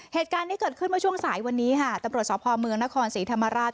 เหตุการณ์นี้เกิดขึ้นเมื่อช่วงสายวันนี้ค่ะตำรวจสพเมืองนครศรีธรรมราช